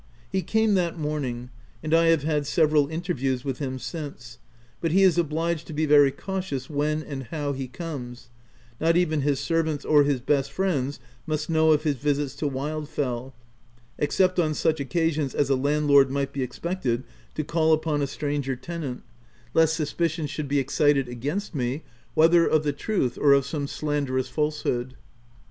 He came that morning ; and I have had several interviews with him since; but he is obliged to be very cautious when and how he comes : not even his servants, or his best friends must know of his visits to Wildfell — except on such occasions as a landlord might be expected to call upon a stranger tenant — lest suspicion OF WILDFELL HALL. 123 should be excited against me, whether of the truth or of some slanderous falsehood.